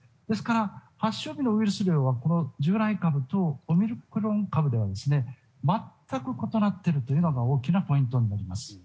ですから、発症日のウイルス量は従来株とオミクロン株では全く異なっているというのが大きなポイントになります。